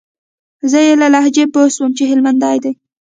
زه يې له لهجې پوه سوم چې هلمندى دى.